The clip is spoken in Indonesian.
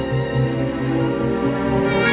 pokok tidak berhargana